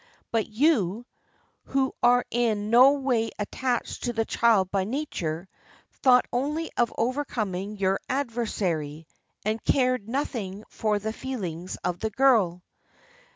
But you, who are in no way attached to the child by nature, thought only of over coming your adversary, and cared nothing for the feel ings of the girl."